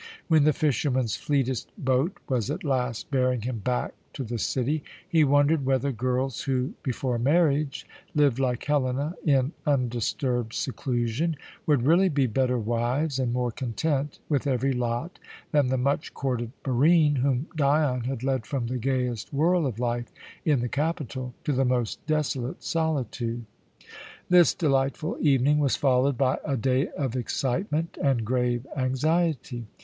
When the fisherman's fleetest boat was at last bearing him back to the city he wondered whether girls who, before marriage, lived like Helena in undisturbed seclusion, would really be better wives and more content with every lot than the much courted Barine, whom Dion had led from the gayest whirl of life in the capital to the most desolate solitude. This delightful evening was followed by a day of excitement and grave anxiety.